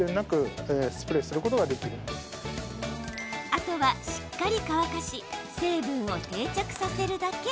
あとは、しっかり乾かし成分を定着させるだけ。